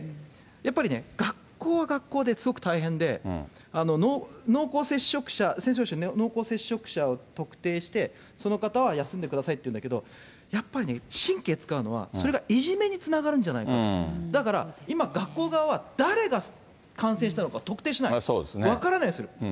やっぱりね、学校は学校ですごく大変で、濃厚接触者、先生おっしゃる、濃厚接触者を特定して、その方は休んでくださいっていうんだけど、やっぱりね、神経使うのは、それがいじめにつながるんじゃないかと、だから、今、学校側は誰が感染したのか特定しない、分からないんですよ。